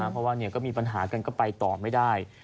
เพราะว่าก็มีปัญหากันก็ไปต่อไม่ได้